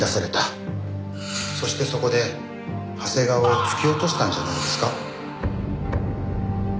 そしてそこで長谷川を突き落としたんじゃないんですか？